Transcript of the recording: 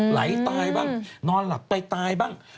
ไหลตายบ้างนอนหลับไปตายบ้าง